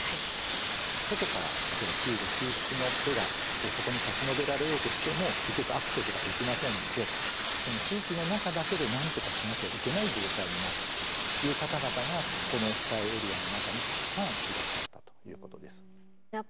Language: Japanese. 外から例えば救助救出の手がそこに差し伸べられようとしても結局アクセスができませんのでその地域の中だけでなんとかしなきゃいけない状態になったという方々がこの被災エリアの中にたくさんいらっしゃったということです。